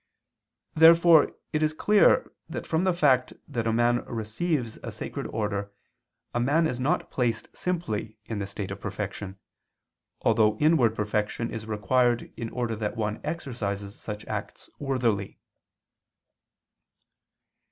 Therefore it is clear that from the fact that a man receives a sacred order a man is not placed simply in the state of perfection, although inward perfection is required in order that one exercise such acts worthily.